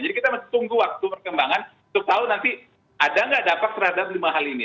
jadi kita harus tunggu waktu perkembangan untuk tahu nanti ada nggak dampak terhadap lima hal ini